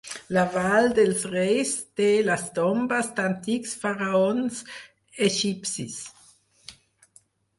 La vall dels reis té les tombes d'antics faraons egipcis.